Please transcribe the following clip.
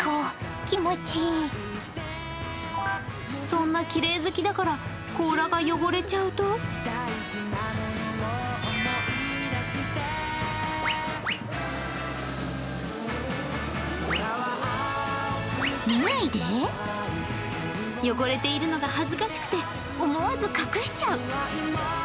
そんなきれい好きだから甲羅が汚れちゃうと汚れているのが恥ずかしくて思わず隠しちゃう。